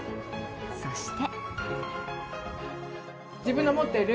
そして。